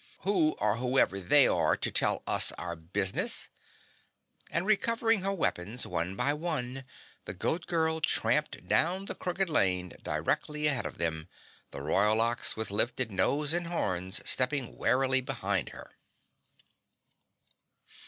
"Who are whoever they are to tell us our business?" And recovering her weapons one by one, the Goat Girl tramped down the crooked lane directly ahead of them, the Royal Ox with lifted nose and horns, stepping warily behind her.